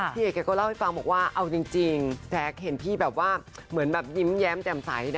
พี่เอ๋ก็เล่าให้ฟังว่าเอาจริงแจ๊คเห็นพี่แบบว่าเหมือนยิ้มแย้มแต่มใส